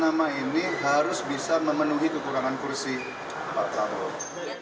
nama ini harus bisa memenuhi kekurangan kursi pak prabowo